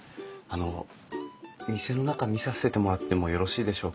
あの店の中見させてもらってもよろしいでしょうか？